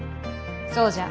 そうじゃ。